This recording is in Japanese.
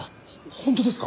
本当ですか？